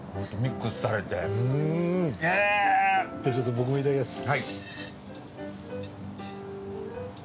僕もいただきます。